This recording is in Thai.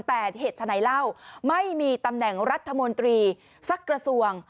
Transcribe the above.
แต่เหตุฉะไหนเล่าไม่มีตำแหน่งรัฐมนตรีสักกระทรวง